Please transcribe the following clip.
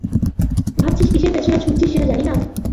ভাবছিস কিসের পেছনে ছুটছিস সেটা জানি না?